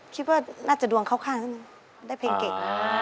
คิดว่าน่าจะดวงเขาข้างตั้งนึงได้เผ็ด